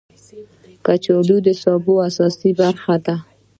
کچالو د سبو اساسي برخه ده